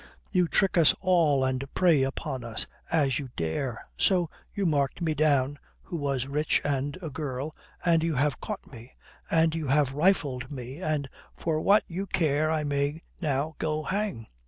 You trick us all and prey upon us, as you dare. So you marked me down, who was rich and a girl, and you have caught me, and you have rifled me, and, for what you care I may now go hang.